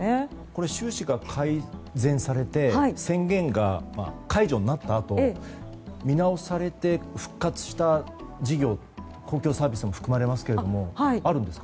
収支が改善されて宣言が解除になったあと見直されて復活した事業公共サービスも含まれますがあるんですか？